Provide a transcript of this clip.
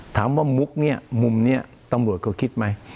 ถามว่ามุกเนี้ยมุมเนี้ยตำรวจเขาคิดไหม